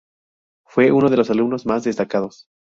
Fue uno de los alumnos más destacados.